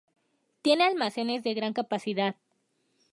Tiene almacenes de gran capacidad.